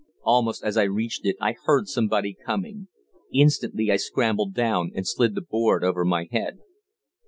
Almost as I reached it I heard somebody coming. Instantly I scrambled down and slid the board over my head."